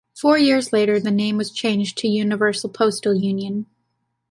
Four years later, the name was changed to "Universal Postal Union".